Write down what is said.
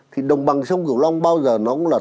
thì đồng bằng sông cửu long bao giờ nó cũng là